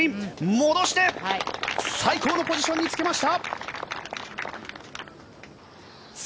戻して、最高のポジションにつけました。